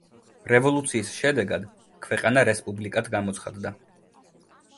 რევოლუციის შედეგად ქვეყანა რესპუბლიკად გამოცხადდა.